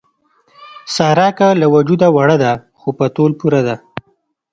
ساره که له وجوده وړه ده، خو په تول پوره ده.